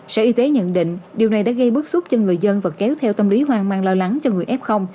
sở y tế nhận định điều này đã gây bức xúc cho người dân và kéo theo tâm lý hoang mang lo lắng cho người f